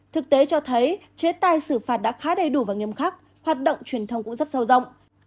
thực tế cho thấy chế tài xử phạt đã khá đầy đủ và nghiêm khắc hoạt động truyền thông cũng rất sâu rộng